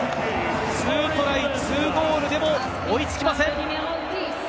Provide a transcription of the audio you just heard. ２トライ２ゴールでも追いつきません。